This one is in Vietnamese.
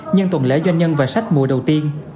nhân tuần lễ doanh nhân và sách mùa đầu tiên